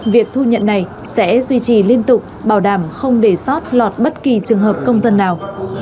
việc thu nhận này sẽ duy trì liên tục bảo đảm không để sót lọt bất kỳ trường hợp công dân nào